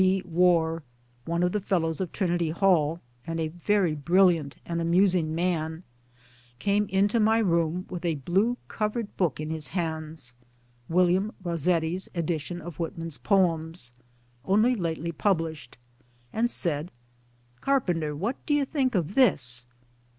D. Warr one of the Fellows of Trinity Hall, and a very brilliant and amusing man came into my room with a blue covered book in his hands (William Rossetti's edition of Whitman's poems) only lately published, and said :" Carpenter, what do you think of this?